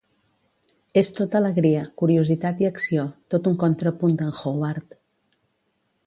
És tot alegria, curiositat i acció, tot un contrapunt d'en Howard.